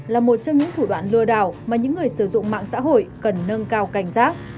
là một trong những thủ đoạn lừa đảo mà những người sử dụng mạng xã hội cần nâng cao cảnh giác